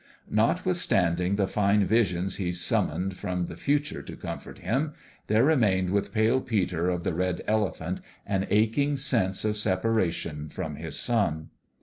Notwithstanding the fine visions he summoned from the future to comfort him, there remained with Pale Peter of the Red Elephant an aching sense of separation from his son.